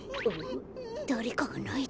だれかがないてる。